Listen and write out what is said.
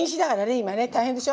今ね大変でしょ。